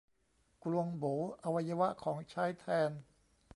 กลวงโบ๋ อวัยวะ ของใช้แทน